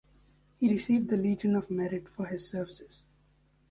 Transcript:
He received the Legion of Merit for his services.